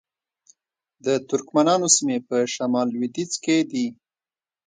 د ترکمنانو سیمې په شمال لویدیځ کې دي